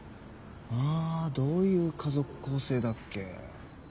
あどういう家族構成だっけ。